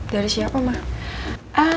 dari siapa ma